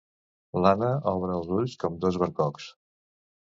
L'Anna obre els ulls com dos bercocs.